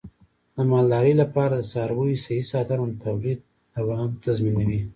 د مالدارۍ لپاره د څارویو صحي ساتنه د تولید دوام تضمینوي.